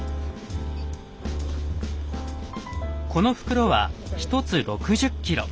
この袋は１つ６０ｋｇ。